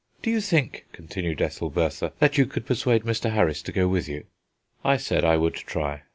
Do you think," continued Ethelbertha, "that you could persuade Mr. Harris to go with you?" I said I would try.